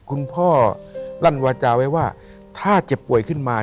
คุณพ่อลั่นวาจาไว้ว่าถ้าเจ็บป่วยขึ้นมา